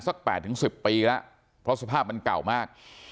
สัก๘๑๐ปีแล้วเพราะสภาพมันเก่ามาก